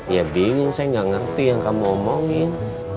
ya bingung saya gak ngerti yang kamu omongin